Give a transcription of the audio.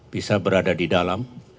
bisa berada di dalam